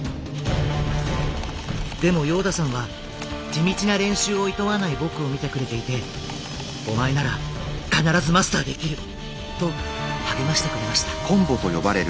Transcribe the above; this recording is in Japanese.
でもヨーダさんは地道な練習をいとわない僕を見てくれていて「お前なら必ずマスターできる」と励ましてくれました。